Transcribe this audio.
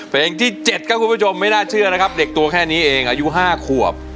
เพลงที่๗ครับคุณผู้ชมไม่น่าเชื่อนะครับเด็กตัวแค่นี้เองอายุ๕ขวบ